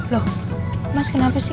loh mas kenapa sih